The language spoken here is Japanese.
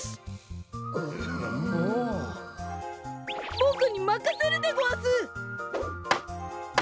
ボクにまかせるでごわす！